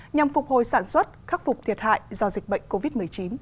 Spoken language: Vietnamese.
nhằm phục hồi sản xuất khắc phục thiệt hại do dịch bệnh covid một mươi chín